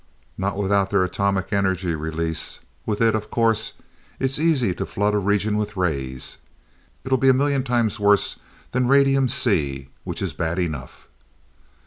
"Not without their atomic energy release. With it, of course, it's easy to flood a region with rays. It'll be a million times worse than radium 'C,' which is bad enough."